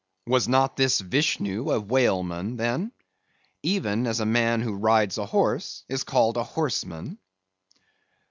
Was not this Vishnoo a whaleman, then? even as a man who rides a horse is called a horseman?